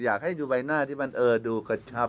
อยากให้ดูใบหน้าที่มันดูกระชับ